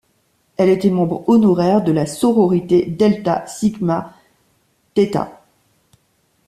Elle était membre honoraire de la sororité Delta Sigma Theta.